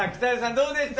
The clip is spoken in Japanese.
どうでした？